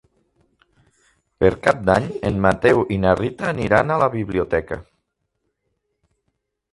Per Cap d'Any en Mateu i na Rita aniran a la biblioteca.